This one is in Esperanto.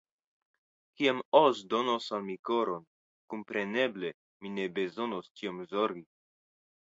Kiam Oz donos al mi koron, kompreneble mi ne bezonos tiom zorgi.